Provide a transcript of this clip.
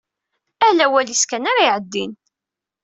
Ala awal-is kan ara iɛeddin.